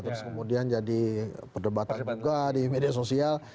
terus kemudian jadi perdebatan juga di media sosial